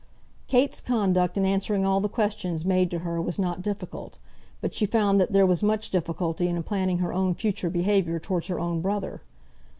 Kate's conduct in answering all the questions made to her was not difficult, but she found that there was much difficulty in planning her own future behaviour towards her own brother.